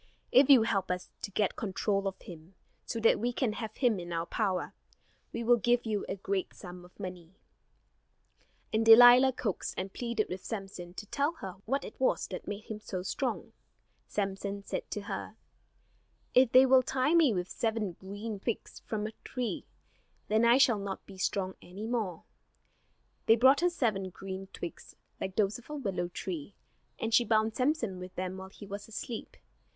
If you help us to get control of him, so that we can have him in our power, we will give you a great sum of money." [Illustration: He carried off the gates of the city] And Delilah coaxed and pleaded with Samson to tell her what it was that made him so strong. Samson said to her: "If they will tie me with seven green twigs from a tree, then I shall not be strong any more." They brought her seven green twigs, like those of a willow tree; and she bound Samson with them while he was asleep.